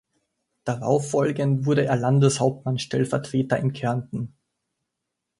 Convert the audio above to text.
Darauffolgend wurde er Landeshauptmann-Stellvertreter in Kärnten.